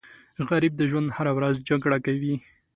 غریب د ژوند هره ورځ جګړه کوي